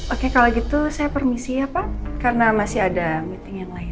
oke kalau gitu saya permisi ya pak karena masih ada meeting yang lain